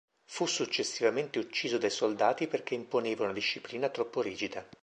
Fu successivamente ucciso dai soldati perché imponeva una disciplina troppo rigida.